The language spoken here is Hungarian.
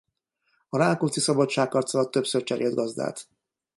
A Rákóczi-szabadságharc alatt többször cserélt gazdát.